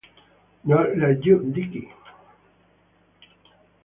Not like you, Dicky.